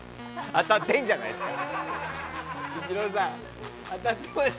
当たってるんじゃないですか！